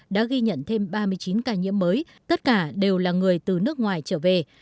đã ghi nhận thêm ba mươi chín ca nhiễm mới tất cả đều là người từ nước ngoài trở về